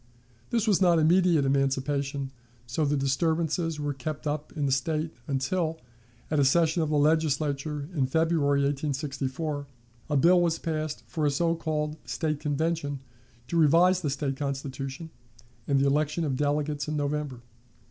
This was not immediate emancipation, so the disturbances were kept up in the State until, at a session of the Legislature in February, 1864, a bill was passed for a so called State Convention to revise the State Constitution, and the election of delegates in November.